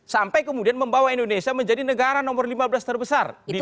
sampai kemudian membawa indonesia menjadi negara nomor lima belas terbesar di dunia